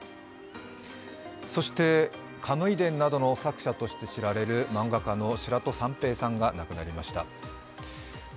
「カムイ伝」などの作者として知られる漫画家の白土三平さんが亡くなりました。